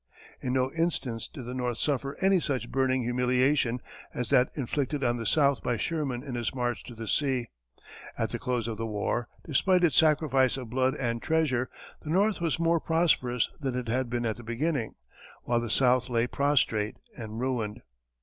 In no instance did the North suffer any such burning humiliation as that inflicted on the South by Sherman in his march to the sea; at the close of the war, despite its sacrifice of blood and treasure, the North was more prosperous than it had been at the beginning, while the South lay prostrate and ruined.